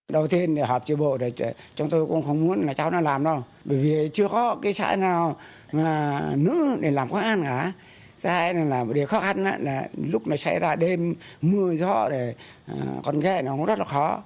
đầu tiên hợp chứa bộ chúng tôi cũng không muốn cho nó làm đâu bởi vì chưa có cái xã nào nữ để làm khó khăn cả xã này là một địa khó khăn lúc nó xảy ra đêm mưa gió con ghe nó cũng rất là khó